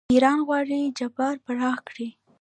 ایران غواړي چابهار پراخ کړي.